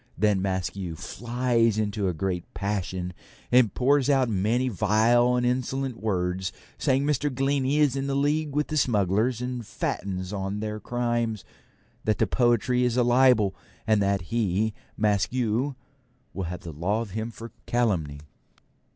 Then Maskew flies into a great passion, and pours out many vile and insolent words, saying Mr. Glennie is in league with the smugglers and fattens on their crimes; that the poetry is a libel; and that he, Maskew, will have the law of him for calumny.